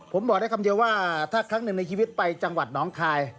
ผมบอกได้คำเดียวว่าถ้าครั้งหนึ่งในชีวิตไปจังหวัดน้องคาย